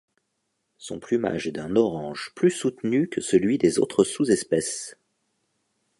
Son plumage est d'un orange plus soutenu que celui des autres sous-espèces.